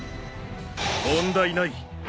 問題ない。